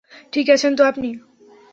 ঠিক আছেন তো আপনি?